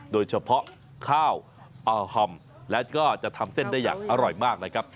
โดยเฉพาะข้าวหอมและก็จะทำเส้นได้อย่างอร่อยมากนะครับ